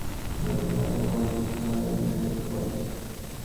নতুবা তোদের লেখাপড়াকেও ধিক, আর তোদের বেদবেদান্ত পড়াকেও ধিক।